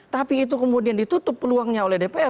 tapi itu kemudian ditutup peluangnya oleh dpr